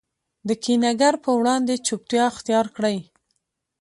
د کینه ګر په وړاندي چوپتیا اختیارکړئ!